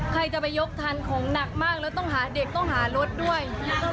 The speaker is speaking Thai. ใครจะไปยกทันของหนักมากแล้วต้องหาเด็กต้องหารถด้วย